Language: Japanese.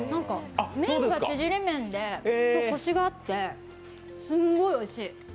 麺が縮れ麺でコシがあって、すんごいおいしい。